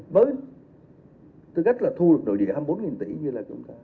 với tư cách là thu được đội điện hai mươi bốn tỷ như là chúng ta